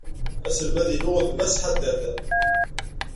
Aselmad-inu d Mass Haddad.